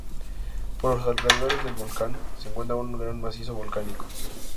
Por los alrededores del volcán, se encuentra un gran macizo volcánico.